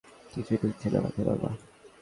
কিছুই ঢুকছে না মাথায়, বাবা।